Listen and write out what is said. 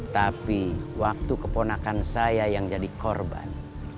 tapi waktu keponakan saya yang jadi korban